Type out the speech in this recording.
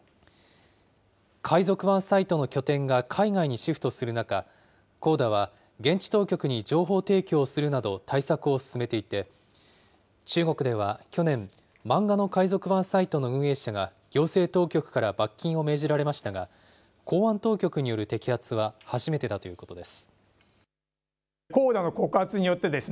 海賊版サイトの拠点が海外にシフトする中、ＣＯＤＡは現地当局に情報提供するなど対策を進めていて、中国では去年、漫画の海賊版サイトの運営者が行政当局から罰金を命じられましたが、公安当局による摘発は初めてだということです。